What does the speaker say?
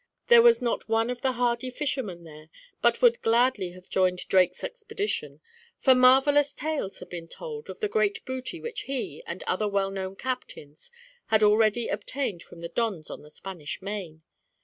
There was not one of the hardy fishermen there but would gladly have joined Drake's expedition, for marvellous tales had been told of the great booty which he, and other well known captains, had already obtained from the Dons on the Spanish Main.